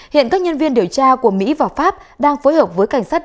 hiện các nhân viên điều tra của mỹ và pháp đang phối hợp với cảnh sát